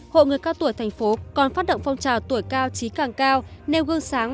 hội người cao tuổi thành phố còn phát động phong trào tuổi cao trí càng cao nêu gương sáng